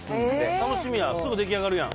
楽しみや、すぐ出来上がるやん。